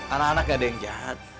anak anak gak ada yang jahat